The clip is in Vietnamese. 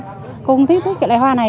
cô cũng thích thích cái loài hoa này